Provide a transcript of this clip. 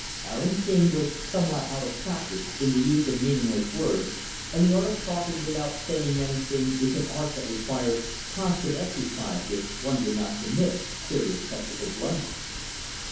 Aaron King was somewhat out of practise in the use of meaningless words, and the art of talking without saying anything is an art that requires constant exercise if one would not commit serious technical blunders.